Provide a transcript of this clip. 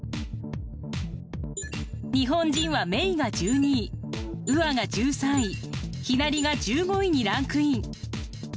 日本人はメイが１２位ウアが１３位ヒナリが１５位にランクイン。